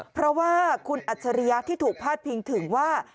เพราะว่าคุณอัจฉริยะที่ถูกพาดพิงถึงว่า